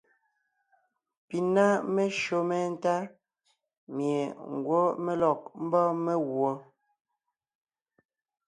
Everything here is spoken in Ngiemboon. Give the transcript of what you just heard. Pi ná meshÿó méntá mie ngwɔ́ mé lɔg ḿbɔ́ɔn meguɔ.